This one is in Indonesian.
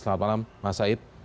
selamat malam mas said